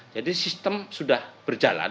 jadi sistem sudah berjalan